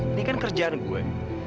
ini kan kerjaan gue